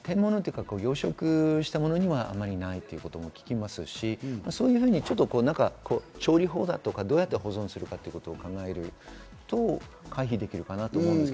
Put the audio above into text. あとは、養殖したものにはあまりないということも聞きますし、調理法だとか、どうやって保存するかということを考えると、回避できるかなと思います。